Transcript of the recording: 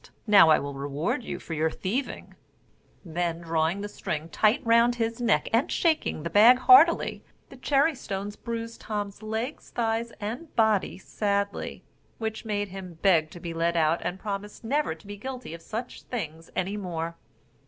Now I will reward you for thieving." Then drawing the string tight round his neck, and shaking the bag heartily, the cherry stones bruised Tom's legs, thighs, and body sadly; which made him beg to be let out, and promise never to be guilty of such things any more.